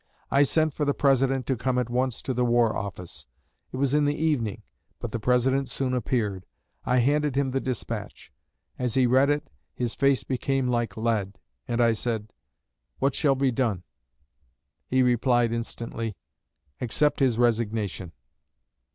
I sent for the President to come at once to the War Office. It was in the evening, but the President soon appeared. I handed him the despatch. As he read it his face became like lead, and I said, 'What shall be done?' He replied instantly, '_Accept his resignation.